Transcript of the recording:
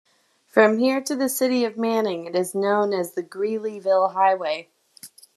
From here to the city of Manning it is known as the Greeleyville Highway.